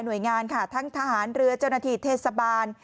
หน่วยงานค่ะทั้งทหารเรือเจ้าหน้าที่เทศบาล